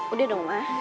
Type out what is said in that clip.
udah dong ma